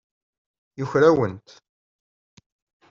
Yuker-awent.